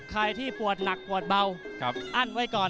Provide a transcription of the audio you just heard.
ฟาร์มเป็นมุยเพื่อนเราแน่นอน